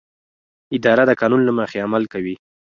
اداره د قانون له مخې عمل کوي.